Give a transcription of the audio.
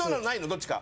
どっちか。